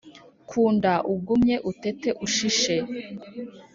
Kunda ugumye utete ushishe